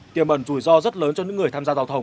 tiềm ẩn rủi ro rất lớn cho những người tham gia giao thông